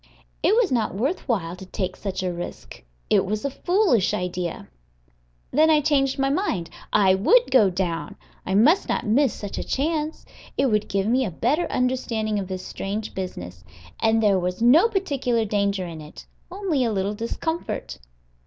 It was not worth while to take such a risk; it was a foolish idea. Then I changed my mind: I would go down. I must not miss such a chance; it would give me a better understanding of this strange business; and there was no particular danger in it, only a little discomfort.